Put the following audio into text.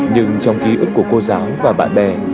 nhưng trong ký ức của cô giáo và bạn bè